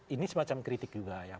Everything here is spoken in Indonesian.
ini semacam kritik juga ya